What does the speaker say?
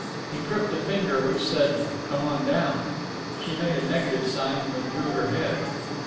He crooked a finger which said, "Come on down!" She made a negative sign and withdrew her head.